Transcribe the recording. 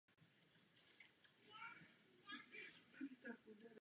Potřebuje však vyšší teplotu a sušší prostředí.